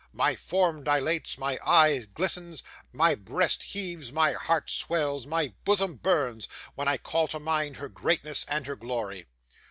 My form dilates, my eye glistens, my breast heaves, my heart swells, my bosom burns, when I call to mind her greatness and her glory.